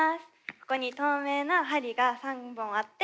ここに透明な針が３本あって。